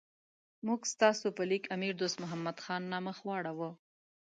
موږ ستاسو په لیک امیر دوست محمد خان نه مخ واړاو.